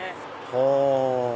はぁ！